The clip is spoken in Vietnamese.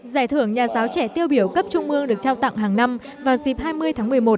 giải thưởng nhà giáo trẻ tiêu biểu cấp trung ương được trao tặng hàng năm vào dịp hai mươi tháng một mươi một